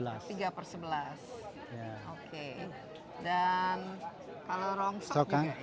dan kalau rongsok